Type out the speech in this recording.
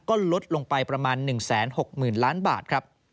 ก็ลดลงไปประมาณ๑๖๐๐๐๐๐ล้านบาท